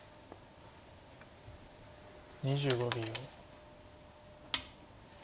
２５秒。